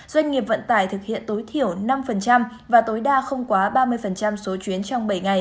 doanh nghiệp vận tải thực hiện tối thiểu năm và tối đa không quá ba mươi số chuyến trong bảy ngày